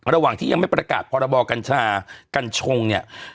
ระหว่างที่ยังไม่ประกาศพรบกัญชากัญชงเนี่ย